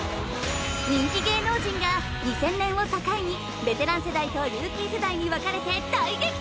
人気芸能人が２０００年を境にベテラン世代とルーキー世代に分かれて大激突！